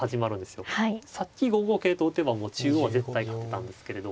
さっき５五桂と打てば中央は絶対勝てたんですけれど。